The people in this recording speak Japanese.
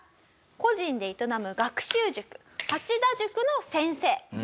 個人で営む学習塾八田塾の先生。